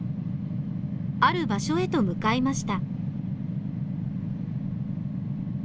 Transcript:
ある場所へと向かいました。